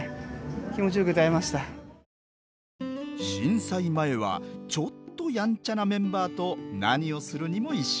震災前はちょっとヤンチャなメンバーと何をするにも一緒。